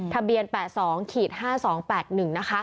ทะเบียน๘๒๕๒๘๑